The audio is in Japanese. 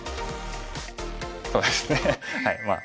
そうですねまあ。